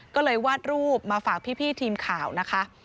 ก็เลยวาดรูปมาฝากพี่ทีมข่าวนะคะ